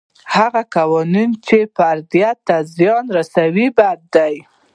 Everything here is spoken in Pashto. هغه قوانین چې فردیت ته زیان رسوي بد دي.